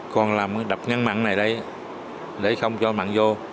còn làm đập ngăn mặn này đây để không cho mặn vô